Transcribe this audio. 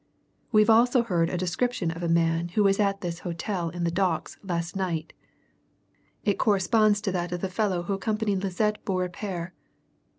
We've also heard a description of a man who was at this hotel in the Docks last night it corresponds to that of the fellow who accompanied Lisette Beaurepaire.